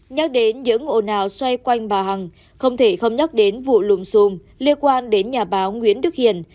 nhắc đến những hộ nào xoay quanh bà hằng không thể không nhắc đến vụ lùm xùm liên quan đến nhà báo nguyễn đức hiền